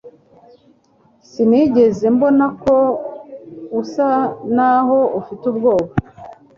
Sinigeze mbona ko usa naho ufite ubwoba